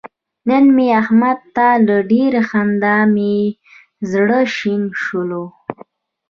نن مې احمد ته له ډېرې خندا مې زره شنه شوله.